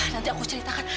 nanti aku ceritakan